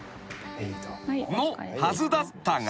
［のはずだったが］